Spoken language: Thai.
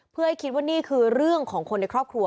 เพื่อให้คิดว่านี่คือเรื่องของคนในครอบครัว